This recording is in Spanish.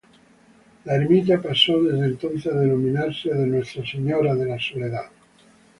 La ermita pasó desde entonces a denominarse de Nuestra Señora de la Soledad.